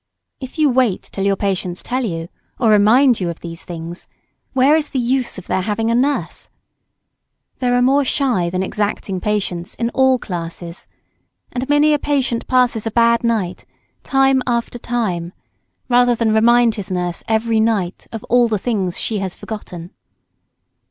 If you wait till your patients tell you, or remind you of these things, where is the use of their having a nurse? There are more shy than exacting patients, in all classes; and many a patient passes a bad night, time after time, rather than remind his nurse every night of all the things she has forgotten.